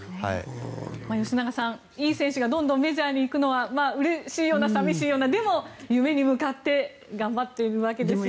吉永さん、いい選手がどんどんメジャーに行くのはうれしいような寂しいようなでも、夢に向かって頑張っているわけですよね。